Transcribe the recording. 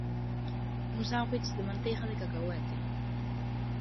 Un sándwich de manteiga de cacahuete.